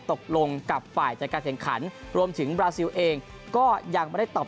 ตกลงกับฝ่ายจัดการแข่งขันรวมถึงบราซิลเองก็ยังไม่ได้ตอบ